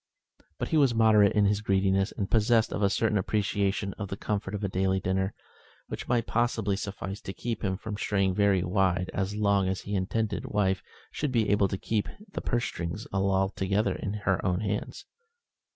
But he was moderate in his greediness, and possessed of a certain appreciation of the comfort of a daily dinner, which might possibly suffice to keep him from straying very wide as long as his intended wife should be able to keep the purse strings altogether in her own hands.